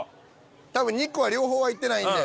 多分肉は両方は行ってないんで。